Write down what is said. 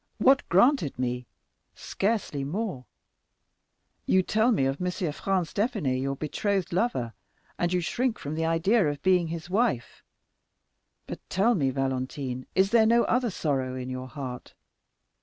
What granted me?—scarcely more. You tell me of M. Franz d'Épinay, your betrothed lover, and you shrink from the idea of being his wife; but tell me, Valentine, is there no other sorrow in your heart?